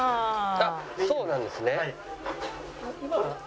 あっそうなんですね。